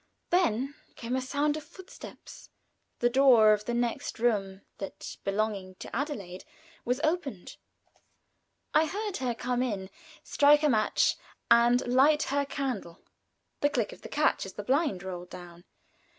Then came a sound of footsteps; the door of the next room, that belonging to Adelaide, was opened. I heard her come in, strike a match, and light her candle; the click of the catch as the blind rolled down.